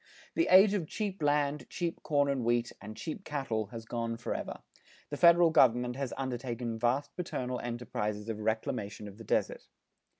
The age of cheap land, cheap corn and wheat, and cheap cattle has gone forever. The federal government has undertaken vast paternal enterprises of reclamation of the desert.